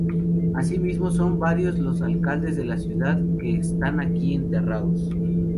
Asimismo, son varios los alcaldes de la ciudad que están aquí enterrados.